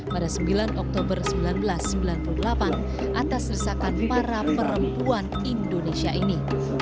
pada sembilan oktober seribu sembilan ratus sembilan puluh delapan atas resakan para perempuan indonesia ini